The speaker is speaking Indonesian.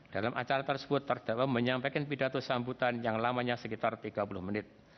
dalam acara tersebut terdakwa menyampaikan pidato sambutan yang lamanya sekitar tiga puluh menit